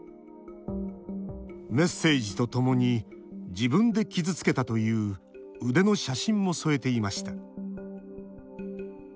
メッセージとともに自分で傷つけたという腕の写真も添えていました。